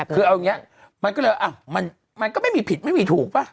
คือเอาอย่างนี้มันก็เลยมันก็ไม่มีผิดไม่มีถูกป่ะ